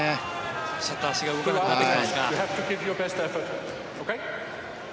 ちょっと足が動けなくなってきていますか。